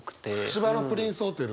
芝のプリンスホテル。